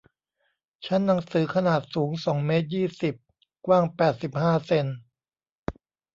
ชั้นหนังสือขนาดสูงสองเมตรยี่สิบ กว้างแปดสิบห้าเซ็น